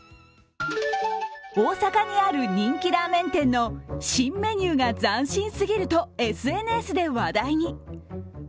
大阪にある人気ラーメン店の新メニューが斬新すぎるとＳＮＳで話題に。